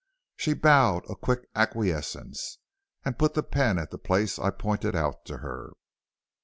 "She bowed a quick acquiescence, and put the pen at the place I pointed out to her.